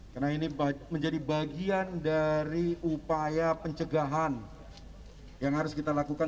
karena ini menjadi bagian dari upaya pencegahan yang harus kita lakukan